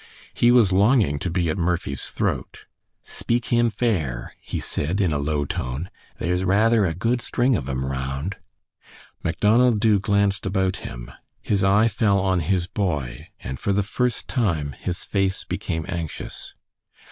He was longing to be at Murphy's throat. "Speak him fair," he said, in a low tone, "there's rather a good string of 'em raound." Macdonald Dubh glanced about him. His eye fell on his boy, and for the first time his face became anxious.